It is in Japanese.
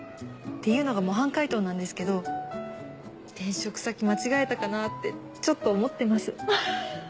っていうのが模範解答なんですけど転職先間違えたかなってちょっと思ってます。